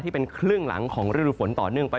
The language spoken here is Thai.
ที่เป็นครึ่งหลังของฤดูฝนต่อเนื่องไป